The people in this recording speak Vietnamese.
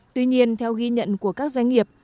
tuy nhiên theo ghi nhận của các doanh nghiệp